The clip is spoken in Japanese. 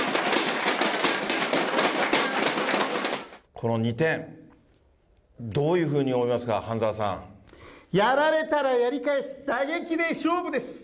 この２点、どういうふうにやられたらやり返す、打撃で勝負です。